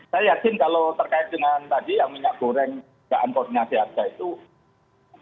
saya yakin kalau terkait dengan tadi yang minyak goreng dugaan produknya sehat sehat itu